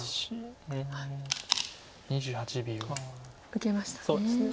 受けましたね。